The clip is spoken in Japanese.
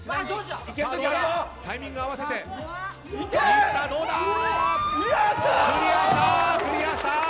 タイミングを合わせていった！